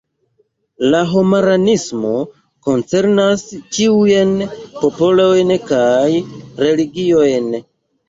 La homaranismo koncernas ĉiujn popolojn kaj religiojn.